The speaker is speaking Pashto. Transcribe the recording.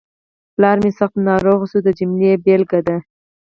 پلار مې سخت ناروغ شو د جملې بېلګه ده.